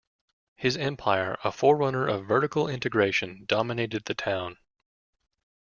His empire, a fore-runner of vertical integration, dominated the town.